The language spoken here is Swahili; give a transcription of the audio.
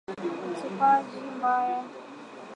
Utupaji mbaya wa vijusi vya wanyama walioporomosha mimba